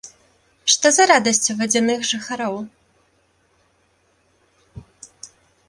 Што за радасць у вадзяных жыхароў?